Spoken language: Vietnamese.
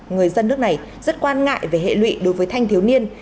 người dân nước này rất quan ngại về hệ lụy đối với thanh thiếu niên